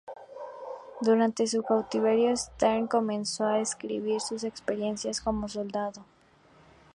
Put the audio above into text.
Durante su cautiverio, Stern comenzó a escribir sus experiencias como soldado.